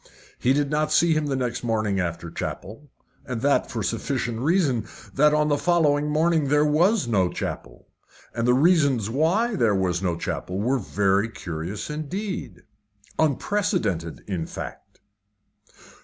He did not see him the next morning after chapel, and that for the sufficient reason that on the following morning there was no chapel. And the reasons why there was no chapel were very curious indeed unprecedented, in fact.